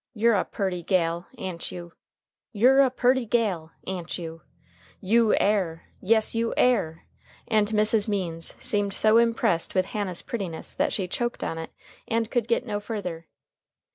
"You're a purty gal, a'n't you? You're a purty gal, a'n't you? You air! Yes, you air" and Mrs. Means seemed so impressed with Hannah's prettiness that she choked on it, and could get no further.